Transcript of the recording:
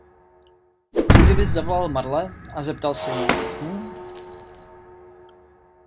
Co kdybys zavolal Marle a zeptal se jí, hm?